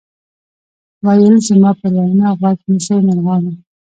ویل زما پر وینا غوږ نیسۍ مرغانو